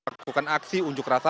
berlakukan aksi unjuk rasa